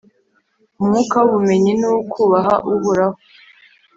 umwuka w’ubumenyi n’uw’ukubaha Uhoraho,